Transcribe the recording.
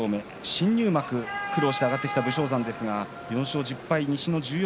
新入幕、苦労して上がってきた武将山ですが４勝１０敗。